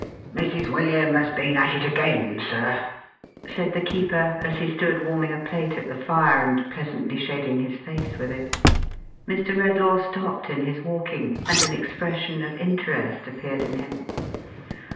" Mrs. William has been at it again, sir !" said the keej>er, as he stood warming a plate at the fire, and pleasantly shading his face with it. Mr. Redlaw stopped in his walking, and an expression of interest appeared in him.